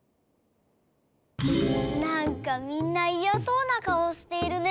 なんかみんないやそうなかおしているね。